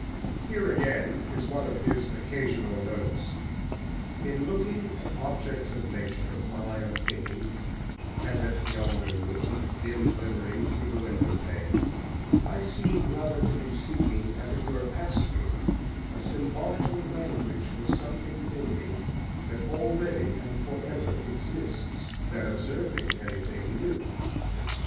Here again is one of his occasional notes: "In looking at objects of nature while I am thinking, as at yonder moon, dim glimmering through the window pane, I seem rather to be seeking, as it were asking, a symbolical language for something within me, that already and for ever exists, than observing anything new.